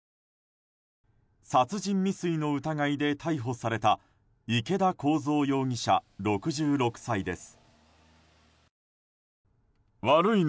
殺人未遂の疑いで逮捕された池田耕三容疑者、６６歳です。